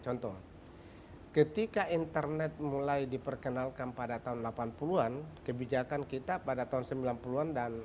contoh ketika internet mulai diperkenalkan pada tahun delapan puluh an kebijakan kita pada tahun sembilan puluh an dan